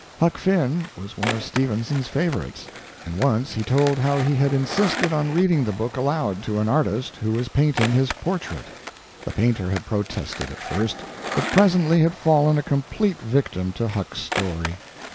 "Huck Finn" was one of Stevenson's favorites, and once he told how he had insisted on reading the book aloud to an artist who was painting his portrait. The painter had protested at first, but presently had fallen a complete victim to Huck's story.